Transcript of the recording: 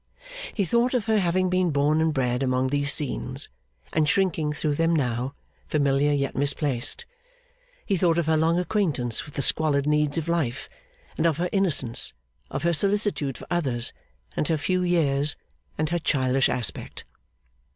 He thought of her having been born and bred among these scenes, and shrinking through them now, familiar yet misplaced; he thought of her long acquaintance with the squalid needs of life, and of her innocence; of her solicitude for others, and her few years, and her childish aspect.